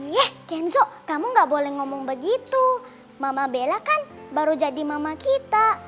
yek kenzo kamu gak boleh ngomong begitu mama bella kan baru jadi mama kita